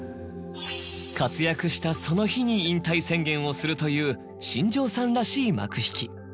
活躍したその日に引退宣言をするという新庄さんらしい幕引き。